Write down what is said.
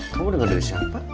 kamu denger dari siapa